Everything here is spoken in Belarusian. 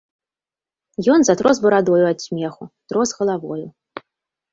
Ён затрос барадою ад смеху, трос галавою.